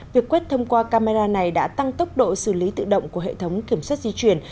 việc quét thông qua camera này đã tăng tốc độ xử lý tự động của hệ thống kiểm soát di chuyển